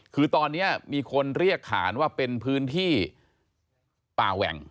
คือตอนนี้มีคนเรียกขานว่าเป็นพื้นที่ป่าแหว่ง